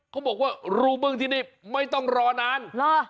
เขาบอกว่ารูบึ้งที่นี่ไม่ต้องรอนาน